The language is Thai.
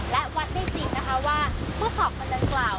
และวัดได้จริงนะคะว่าผู้สอบมันเริ่มกล่าว